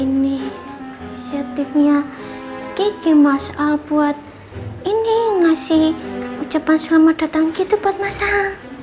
ini kreatifnya gigi mas al buat ini ngasih ucapan selamat datang gitu buat mas al